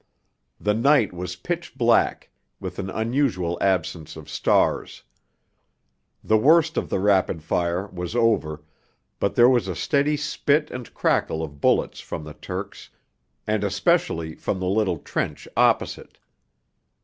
The night was pitch black, with an unusual absence of stars. The worst of the rapid fire was over, but there was a steady spit and crackle of bullets from the Turks, and especially from the little trench opposite.